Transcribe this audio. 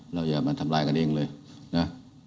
อย่ามาทำร้ายกันเองเลยนะ